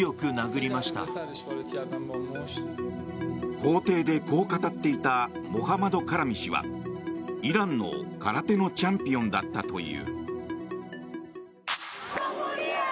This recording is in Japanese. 法廷でこう語っていたモハマド・カラミ氏はイランの空手のチャンピオンだったという。